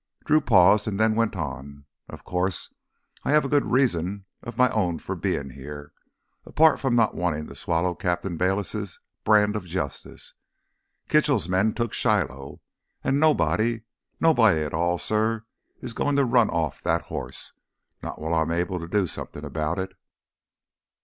Drew paused and then went on. "Of course, I have a good reason of my own for being here, apart from not wantin' to swallow Captain Bayliss' brand of justice. Kitchell's men took Shiloh. And nobody, nobody at all, suh, is goin' to run off that horse—not while I'm able to do something about it!"